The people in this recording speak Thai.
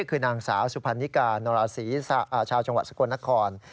คือนางสาวสุพรรณิกานราศีชาวจังหวัดสกลนคร